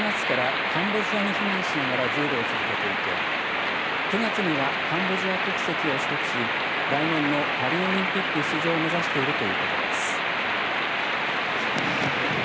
２人はロシアによる軍事侵攻を受けて去年７月からカンボジアに避難しながら柔道を続けていて９月にはカンボジア国籍を取得し来年のパリオリンピック出場を目指しているということです。